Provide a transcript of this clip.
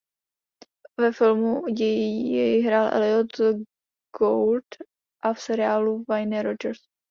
Ve filmu jej hrál Elliot Gould a v seriálu Wayne Rogers.